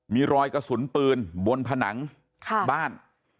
มีรอยกระสุนปืนบนผนังบ้าน